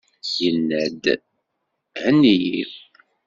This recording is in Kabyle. Yenna-d: Henni-iyi!